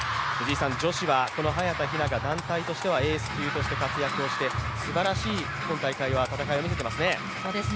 女子はこの早田ひなが団体としてエース級として活躍をして、今大会はすばらしい戦いを見せていますね。